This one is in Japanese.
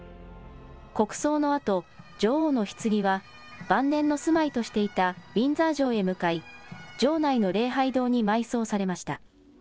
国葬のあと女王のひつぎは晩年の住まいとしていたウィンザー城へ向かい城内の礼拝堂に埋葬されました。